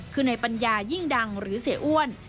คือในปัญญายิ่งดังหรือเสียอ้วน